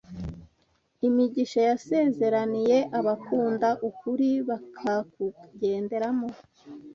imigisha yasezeraniye abakunda ukuri bakakugenderamo